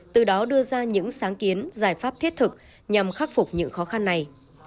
từ đó đưa ra những sáng kiến giải pháp thiết thực nhằm khắc phục những khó khăn này